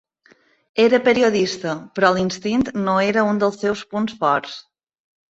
Era periodista, però l'instint no era un dels seus punts forts.